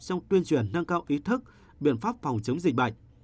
trong tuyên truyền nâng cao ý thức biện pháp phòng chống dịch bệnh